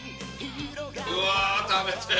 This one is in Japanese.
うわあ食べてえ！